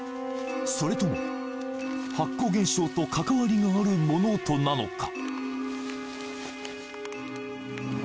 それとも発光現象と関わりがある物音なのか？